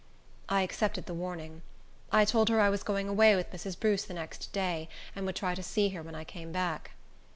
I accepted the warning. I told her I was going away with Mrs. Bruce the next day, and would try to see her when I came back.